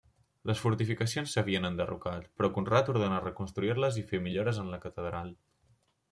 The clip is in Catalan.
Les fortificacions s'havien enderrocat, però Conrad ordenà reconstruir-les i fer millores en la catedral.